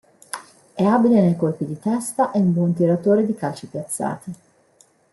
È abile nei colpi di testa e un buon tiratore di calci piazzati.